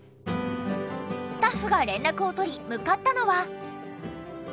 スタッフが連絡をとり向かったのは。